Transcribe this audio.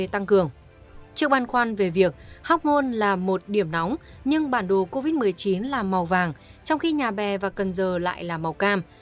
trước bàn khoan về việc hocmon là một điểm nóng nhưng bản đồ covid một mươi chín là màu vàng trong khi nhà bè và cần giờ lại là màu cam